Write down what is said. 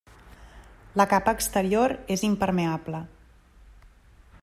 La capa exterior és impermeable.